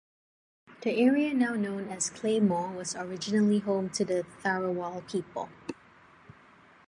The area now known as Claymore was originally home to the Tharawal people.